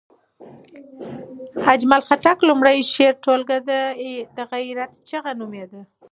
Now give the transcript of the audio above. اجمل خټک لومړۍ شعري ټولګه د غیرت چغه نومېده.